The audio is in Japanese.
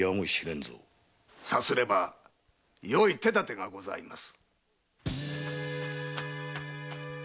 さすればよい手だてがございます。